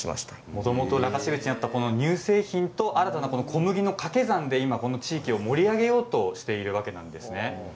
もともと中標津にあった乳製品と新たな小麦のかけ算でこの地域を盛り上げようとしているわけなんですね。